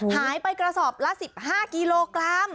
หายไปกระสอบละ๑๕กิโลกรัม